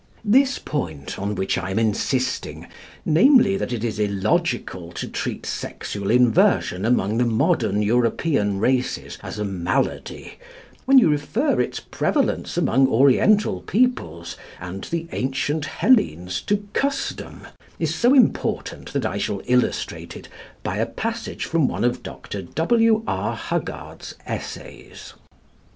This point on which I am insisting namely, that it is illogical to treat sexual inversion among the modern European races as a malady, when you refer its prevalence among Oriental peoples and the ancient Hellenes to custom is so important that I shall illustrate it by a passage from one of Dr. W. R. Huggard's Essays.